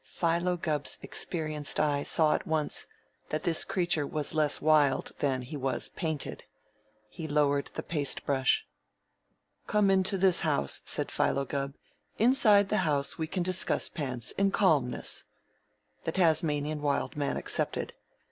Philo Gubb's experienced eye saw at once that this creature was less wild than he was painted. He lowered the paste brush. "Come into this house," said Philo Gubb. "Inside the house we can discuss pants in calmness." The Tasmanian Wild Man accepted.